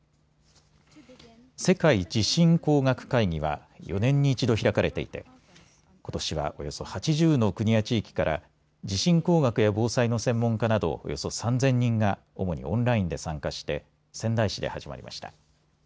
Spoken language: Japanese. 世界地震工学会議は４年に１度開かれていてことしはおよそ８０の国や地域から地震工学や防災の専門家などおよそ３０００人が主にオンラインで参加して仙台市で始まりました。